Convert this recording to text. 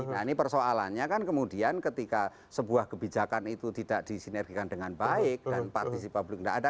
nah ini persoalannya kan kemudian ketika sebuah kebijakan itu tidak disinergikan dengan baik dan partisi publik tidak ada